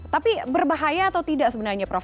tapi berbahaya atau tidak sebenarnya prof